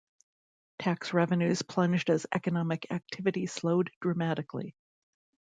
Tax revenues plunged as economic activity slowed dramatically.